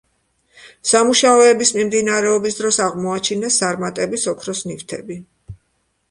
სამუშაოების მიმდინარეობის დროს აღმოაჩინეს სარმატების ოქროს ნივთები.